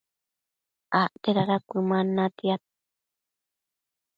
acte dada cuëman natiad